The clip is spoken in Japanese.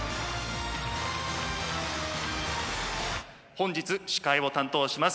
本日司会を担当します